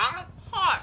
はい。